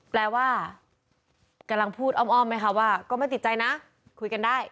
แปลว่ากำลังพูดอ้อมไหมคะว่าก็ไม่ติดใจนะคุยกันได้